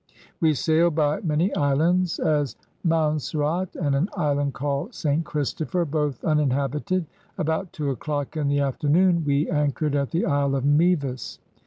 •.. We sailed by many Hands, as Mounserot and an Hand called Saint Christopher, both uninhabited; about two a docke in the aftemoone wee anchored at the He of Mevis.